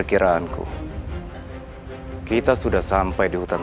kamu sudah kelihatan